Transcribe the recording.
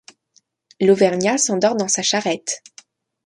L’auvergnat s’endort dans sa charrette.